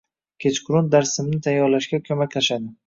Kechqurun darsimni tayyorlashga koʻmaklashadi